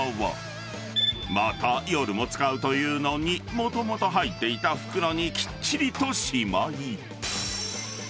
［また夜も使うというのにもともと入っていた袋にきっちりとしまい］